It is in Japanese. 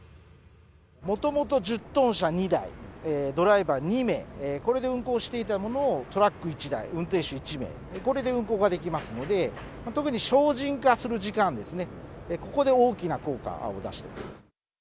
もともと１０トン車２台、ドライバー２名、これで運行していたものを、トラック１台、運転手１名、これで運行ができますので、特に省人化する時間ですね、ここで大きな効果を出してます。